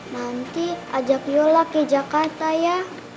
nanti ajak yola ke jakarta ya